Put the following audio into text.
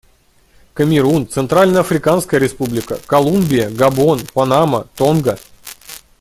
Камерун, Центральноафриканская Республика, Колумбия, Габон, Панама, Тонга.